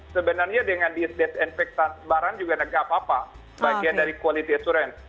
sebenarnya dengan disinfektan barang juga tidak apa apa bagian dari quality assurance